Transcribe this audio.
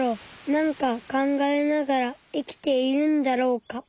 なんか考えながら生きているんだろうか。